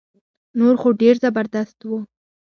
نور خو ډير زبردست وو